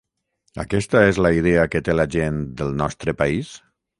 Aquesta és la idea que té la gent del nostre país?